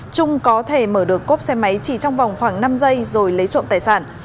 trung có thể mở được cốp xe máy chỉ trong vòng khoảng năm giây rồi lấy trộm tài sản